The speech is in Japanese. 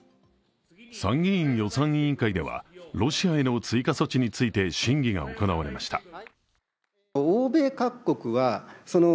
参議院予算委員会では、ロシアへの追加措置について審議が行われました。